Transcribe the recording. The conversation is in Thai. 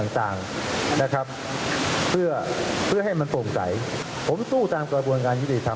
ต่างนะครับเพื่อเพื่อให้มันโปร่งใสผมสู้ตามกระบวนการยุติธรรม